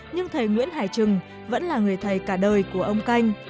nhưng thầy nguyễn hải trừng vẫn là người thầy cả đời của ông canh